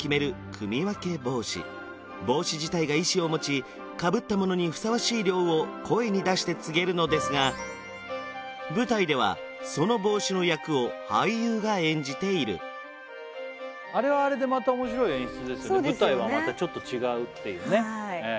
組み分け帽子帽子自体が意思を持ちかぶった者にふさわしい寮を声に出して告げるのですが舞台ではその帽子の役を俳優が演じているあれはあれでまた面白い演出ですよね舞台はまたちょっと違うっていうね